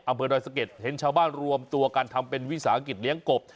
อำเภอดอยสะเก็ดเห็นชาวบ้านรวมตัวกันทำเป็นวิสาหกิจเลี้ยงกบ